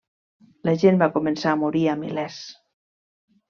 La gent va començar a morir a milers.